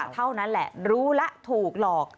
เท่านั้นแหละรู้แล้วถูกหลอก